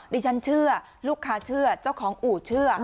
ดิฉันเชื่อลูกค้าเชื่อเจ้าของอู่เชื่อ